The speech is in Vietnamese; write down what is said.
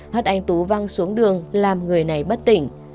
hắt anh tú văng xuống đường làm người này bất tỉnh